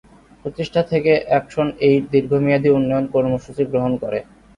প্রতিষ্ঠা থেকে অ্যাকশন-এইড দীর্ঘমেয়াদি উন্নয়ন কর্মসূচি গ্রহণ করে।